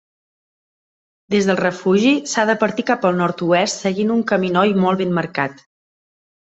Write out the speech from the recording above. Des del refugi, s'ha de partir cap al nord-oest seguint un caminoi molt ben marcat.